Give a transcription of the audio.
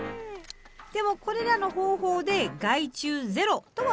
でもこれらの方法で害虫ゼロとはいきません。